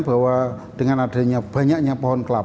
bahwa dengan adanya banyaknya pohon kelapa